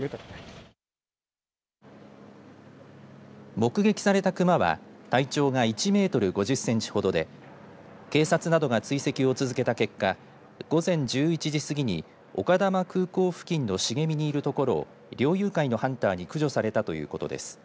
目撃されたクマは体長が１メートル５０センチほどで警察などが追跡を続けた結果午前１１時過ぎに丘珠空港付近の茂みにいるところを猟友会のハンターに駆除されたということです。